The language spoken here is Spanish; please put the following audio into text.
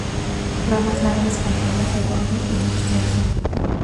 Ramas largas con follaje verde y lustroso.